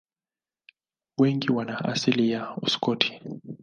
Wengi wana asili ya Uskoti.